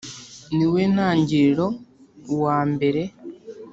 Ni We Ntangiriro Uwa Mbere